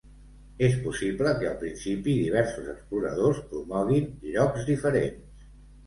És possible que, al principi, diversos exploradors promoguin llocs diferents.